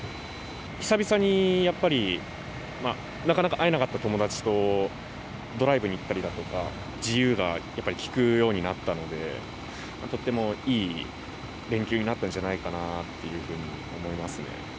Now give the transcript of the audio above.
久々にやっぱりなかなか会えなかった友達とドライブに行ったりだとか自由がやっぱり利くようになったのでとてもいい連休になったんじゃないかなと思います。